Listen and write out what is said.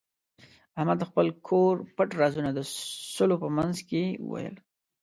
احمد د خپل کور پټ رازونه د سلو په منځ کې وویل.